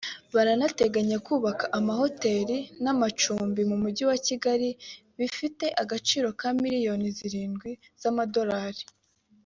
Baranateganya kubaka ama hotel n’amacumbi mu Mujyi wa Kigali bifite agaciro ka miliyoni zirindwi z’amadorali